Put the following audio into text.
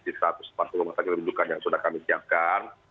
di satu ratus empat puluh rumah sakit rujukan yang sudah kami siapkan